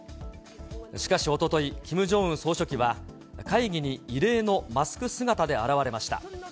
しかしおととい、キム・ジョンウン総書記は、会議に異例のマスク姿で現れました。